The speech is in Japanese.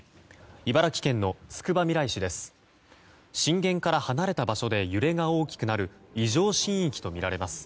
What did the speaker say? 茨城県のつくばみらい市です。